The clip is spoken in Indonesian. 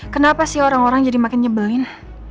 kenapa sih orang orang jadi makin nyebelin